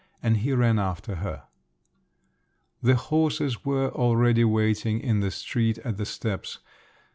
And he ran after her. The horses were already waiting in the street at the steps.